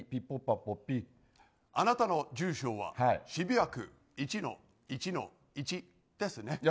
あなたの住所は渋谷区１の１の１ですね？